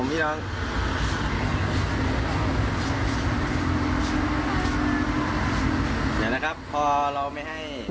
เดี๋ยวนะครับพอเราไม่ให้